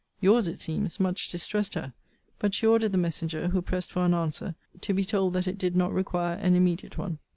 Your's, it seems, much distressed her; but she ordered the messenger, who pressed for an answer, to be told that it did not require an immediate one.